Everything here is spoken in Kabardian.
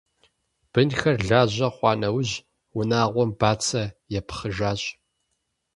Бынхэр лажьэ хъуа нэужь, унагъуэм бацэ япхъыжащ.